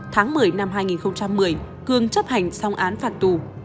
tháng một mươi năm hai nghìn một mươi cương chấp hành xong án phạt tù